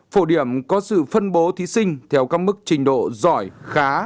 phổ điểm có sự phân bố thí sinh theo các mức trình độ giỏi khá